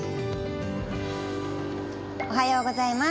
おはようございます。